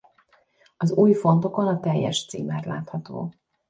Az új fontokon a teljes címer látható.